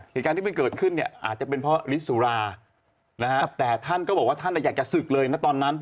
เหตุการณ์ที่มันเกิดขึ้นเนี่ยอาจจะเป็นเพราะฤทธิสุรานะฮะแต่ท่านก็บอกว่าท่านอยากจะศึกเลยนะตอนนั้น